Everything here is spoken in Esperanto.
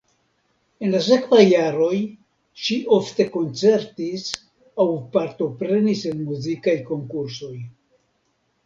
En la sekvaj jaroj ŝi ofte koncertis aŭ partoprenis en muzikaj konkursoj.